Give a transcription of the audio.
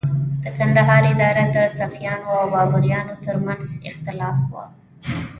د کندهار اداره د صفویانو او بابریانو تر منځ د اختلاف وه.